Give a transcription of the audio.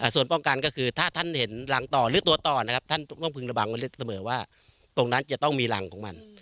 ส่วนป้องกันก็คือถ้าท่านเห็นรังต่อหรือตัวต่อนะครับท่านต้องพึงระวังไว้เสมอว่าตรงนั้นจะต้องมีรังของมัน